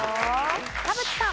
田渕さん。